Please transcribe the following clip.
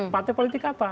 partai politik apa